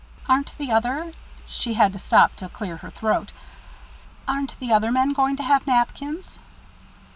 "Aren't the other" she had to stop to clear her throat "aren't the other men going to have napkins?"